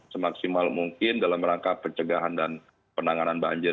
semaksimal mungkin dalam rangka pencegahan dan penanganan banjir